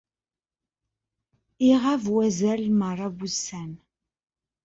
Iɣab azal n mraw n wussan.